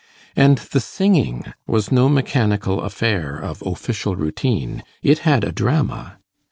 And the singing was no mechanical affair of official routine; it had a drama.